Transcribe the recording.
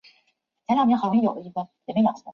有多种方法把地球表面投影到平面上。